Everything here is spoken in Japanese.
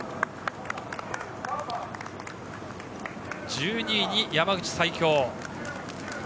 １２位に山口・西京。